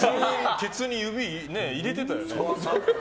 ケツに指、入れてたよね？